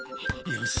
よし！